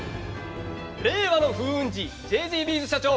令和の風雲児ＪＧＶｓ社長